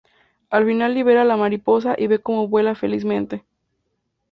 Al final libera a la mariposa y ve cómo vuela felizmente.